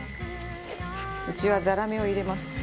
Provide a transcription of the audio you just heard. うちはザラメを入れます。